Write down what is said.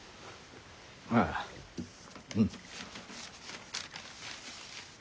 ああうん。